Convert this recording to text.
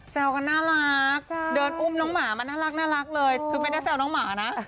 กันน่ารักเดินอุ้มน้องหมามาน่ารักเลยคือไม่ได้แซวน้องหมานะ